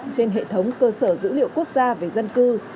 trên hệ thống cơ sở dữ liệu quốc gia về dân cư